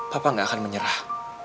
papa gak akan menyerah